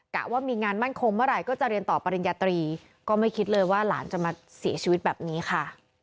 ว่ามีงานมั่นคงเมื่อไหร่ก็จะเรียนต่อปริญญาตรีก็ไม่คิดเลยว่าหลานจะมาเสียชีวิตแบบนี้ค่ะ